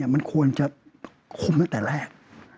มันควรจะคุมตั้งแต่แรก